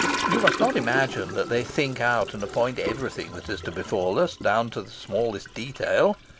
You must not imagine that they think out and appoint everything that is to befall us, down to the smallest detail.